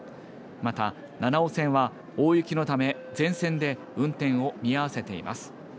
また、七尾線は大雪のため全線で運転を見合わせています。